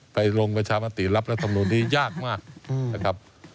ลงประชามติรับรัฐมนุนนี้ยากมากนะครับ